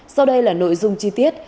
sau đây là nội dung chi tiết